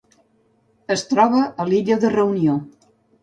Es troba a l'illa de Reunió.